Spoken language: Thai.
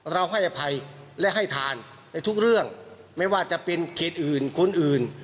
ให้อภัยและให้ทานในทุกเรื่องไม่ว่าจะเป็นเขตอื่นคนอื่น